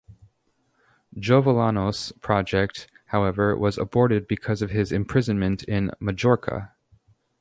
Jovellanos' project, however, was aborted because of his imprisonment in Majorca.